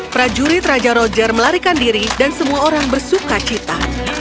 prajurit raja roger melarikan diri dan semua orang bersuka cita